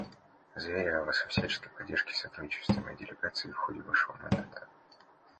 Заверяю вас во всяческой поддержке и сотрудничестве моей делегации в ходе вашего мандата.